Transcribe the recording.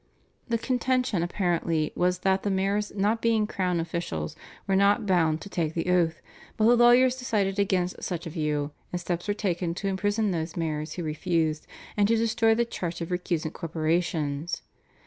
The contention apparently was that the mayors not being crown officials were not bound to take the oath, but the lawyers decided against such a view, and steps were taken to imprison those mayors who refused, and to destroy the charts of recusant corporations.